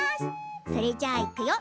それじゃあ、いくよ！